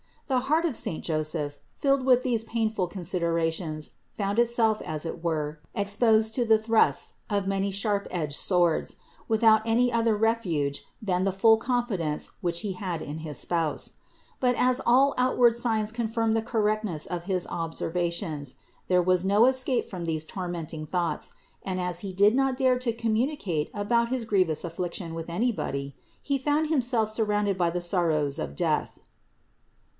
The heart of saint Joseph, filled with these painful consider ations, found itself as it were exposed to the thrusts of many sharp edged swords, without any other refuge than the full confidence which he had in his Spouse. But as all outward signs confirmed the correctness of his ob servations, there was no escape from these tormenting thoughts, and as he did not dare to communicate about his grievous affliction with anybody, he found himself surrounded by the sorrows of death (Ps.